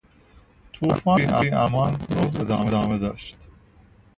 توفان بی امان نه روز ادامه داشت.